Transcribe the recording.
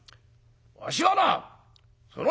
「わしはなその」。